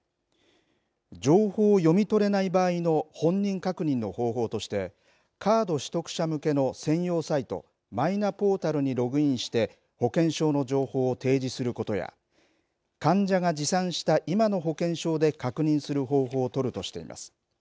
情報を読み取れない場合の本人確認の方法としてカード取得者向けの専用サイトマイナポータルにログインして保険証の情報を提示することや患者が持参した今の保険証で確認する方法を取るとしています。